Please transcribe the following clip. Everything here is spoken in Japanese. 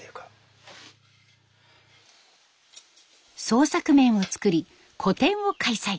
創作面を作り個展を開催。